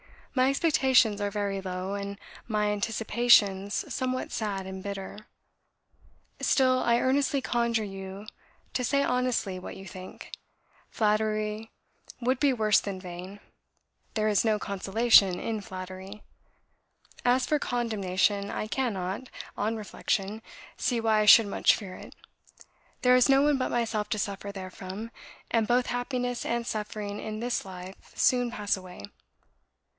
My expectations are very low, and my anticipations somewhat sad and bitter; still, I earnestly conjure you to say honestly what you think; flattery would be worse than vain; there is no consolation in flattery. As for condemnation I cannot, on reflection, see why I should much fear it; there is no one but myself to suffer therefrom, and both happiness and suffering in this life soon pass away.